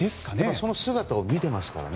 その姿を見ていますからね。